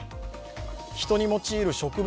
人に用いる植物